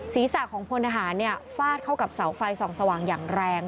ศีรษะของพลทหารฟาดเข้ากับเสาไฟส่องสว่างอย่างแรง